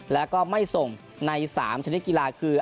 แล้วก็ไม่ส่งใน๓ชนิดกีฬาคือ